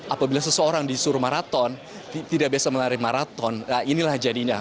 apabila seseorang disuruh maraton tidak biasa melari maraton inilah jadinya